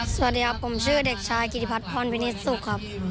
สวัสดีครับผมชื่อเด็กชายกิติพัฒนพรวินิตสุขครับ